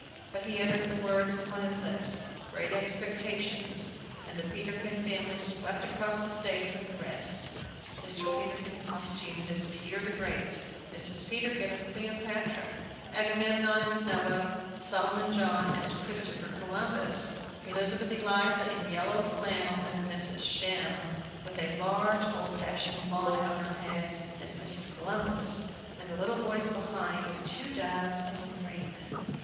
But he uttered the words upon his lips, "Great Expectations;" and the Peterkin family swept across the stage with the rest: Mr. Peterkin costumed as Peter the Great, Mrs. Peterkin as Cleopatra, Agamemnon as Noah, Solomon John as Christopher Columbus, Elizabeth Eliza in yellow flannel as Mrs. Shem, with a large, old fashioned bonnet on her head as Mrs. Columbus, and the little boys behind as two doves and a raven.